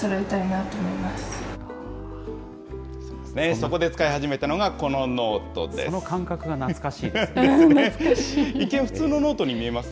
そこで使い始めたのが、このノートです。